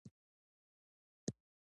دوی هر بدبختي د بهرنیو سازش بولي.